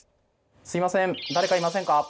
すいません誰かいませんか。